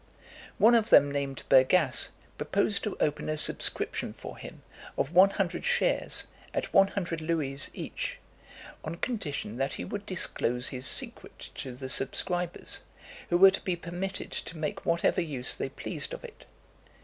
One of them named Bergasse, proposed to open a subscription for him, of one hundred shares, at one hundred louis each, on condition that he would disclose his secret to the subscribers, who were to be permitted to make whatever use they pleased of it.